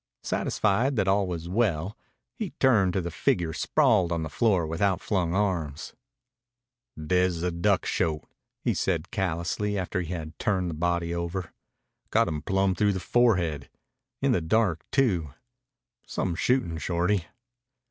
Satisfied that all was well, he turned to the figure sprawled on the floor with outflung arms. "Dead as a stuck shote," he said callously after he had turned the body over. "Got him plumb through the forehead in the dark, too. Some shootin', Shorty."